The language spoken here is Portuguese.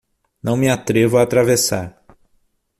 Não me atrevo a atravessar